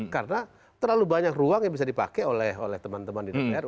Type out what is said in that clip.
karena terlalu banyak ruang yang bisa dipakai oleh teman teman di daerah